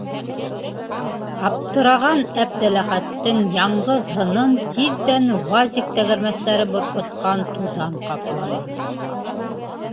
Аптыраған Әптеләхәттең яңғыҙ һынын тиҙҙән «уазик» тәгәрмәстәре борҡотҡан туҙан ҡапланы...